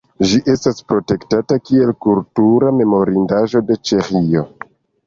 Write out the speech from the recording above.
Ĝi estas protektita kiel kultura memorindaĵo de Ĉeĥio.